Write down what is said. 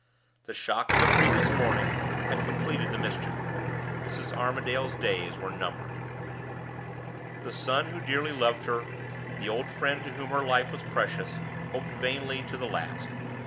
The shock of the previous morning had completed the mischief. Mrs. Armadale's days were numbered. The son who dearly loved her, the old friend to whom her life was precious, hoped vainly to the last.